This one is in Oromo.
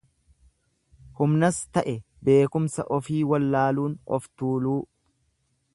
Humnas ta'e beekumsa ofii wallaaluun of tuuluu.